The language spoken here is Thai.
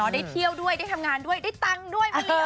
ได้เที่ยวด้วยได้ทำงานด้วยได้ตังค์ด้วยมาเลย